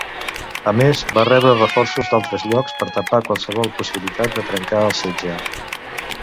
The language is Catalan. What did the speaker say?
A més, va rebre reforços d'altres llocs per tapar qualsevol possibilitat de trencar el setge.